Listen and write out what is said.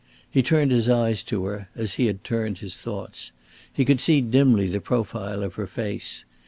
He turned his eyes to her, as he had turned his thoughts. He could see dimly the profile of her face.